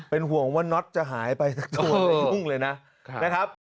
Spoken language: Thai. เป็นห่วงว่าน็อตจะหายไปสักตัวไม่ยุ่งเลยนะ